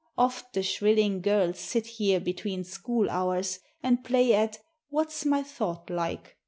Oft The shrilling girls sit here between school hours, And play at What 's my thought like